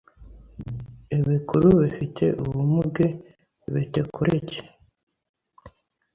ebekuru befite ubumuge betekorege